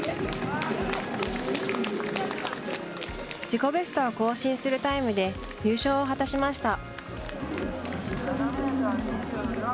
自己ベストを更新するタイムで優勝を果たしました。